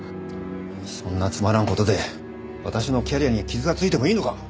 そんなつまらん事で私のキャリアに傷がついてもいいのか？